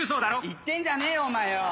言ってんじゃねえよお前よ！